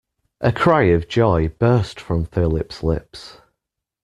A cry of joy burst from Philip's lips.